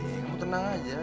kamu tenang aja